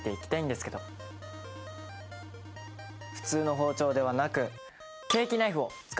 普通の包丁ではなく。